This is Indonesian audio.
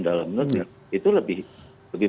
dalam nusik itu lebih